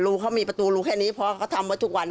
ที่ที่ที่เรายอมจ่ายเงิน๑๕๐๐๐บาทเนี่ยคือให้จบ